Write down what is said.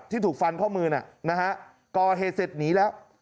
ที่ถูกฟันเข้ามือนะนะฮะก่อเหตุเสร็จหนีแล้ว